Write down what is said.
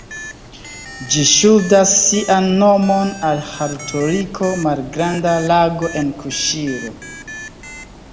Ĝi ŝuldas sian nomon al "Harutori-ko", malgranda lago en Kuŝiro.